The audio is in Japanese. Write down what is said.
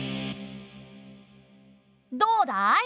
どうだい？